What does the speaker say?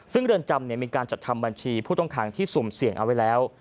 ซึ่งเรือนจำมีการจัดทำบัญชีผู้ต้องขังที่สุ่มเสี่ยงเอาไว้แล้ว